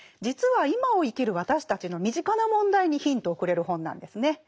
実は今を生きる私たちの身近な問題にヒントをくれる本なんですね。